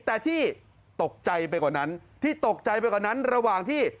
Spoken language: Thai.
แต่ที่ตกใจไปกว่านั้นที่ตกใจไปกว่านั้นระหว่างที่